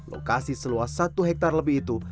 lokasi seluas satu hektare lebih itu